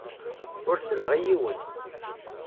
Ur selleɣ i yiwen.